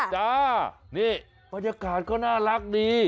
จ้านี่บรรยากาศก็น่ารักดี